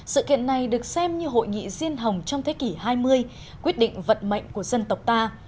sự kiện này được xem như hội nghị riêng hồng trong thế kỷ hai mươi quyết định vận mệnh của dân tộc ta